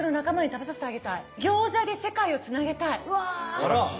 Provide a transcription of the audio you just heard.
すばらしい。